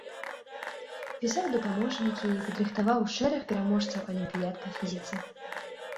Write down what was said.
Пісаў дапаможнікі, падрыхтаваў шэраг пераможцаў алімпіяд па фізіцы.